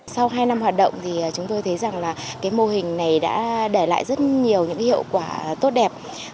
sau hai năm hoạt động thì chúng tôi thấy rằng là cái mô hình này đã để lại rất nhiều những hiệu quả tốt đẹp